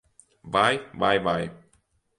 Vai, vai, vai!